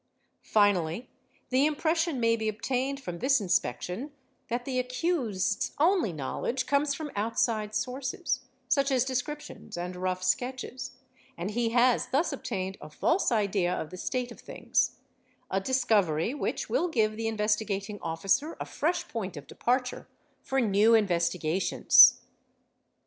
Finally the impression may be obtained from this inspection that the accused's only knowledge comes from outside sources, such as descriptions and rough sketches, and he has thus obtained a false idea of the state of things: a discovery which will give the Investigating Officer a fresh point of departure for new investigations.